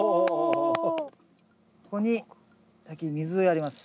ここに先に水をやります。